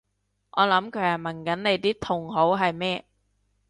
我諗佢係問緊你啲同好係咩？